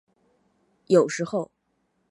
有时候。